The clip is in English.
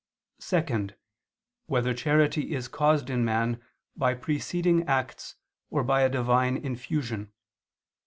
(2) Whether charity is caused in man by preceding acts or by a Divine infusion?